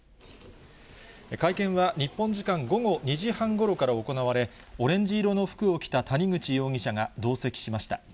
会見は、日本時間午後２時半ごろから行われ、オレンジ色の服を着た谷口容疑者が同席しました。